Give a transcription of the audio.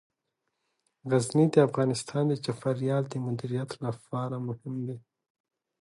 غزني د افغانستان د چاپیریال د مدیریت لپاره مهم دي.